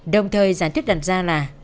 đồng thời giải thích đặt ra là